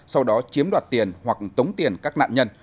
sau đó chiếm đoạt tiền hoặc tống tiền các nạn nhân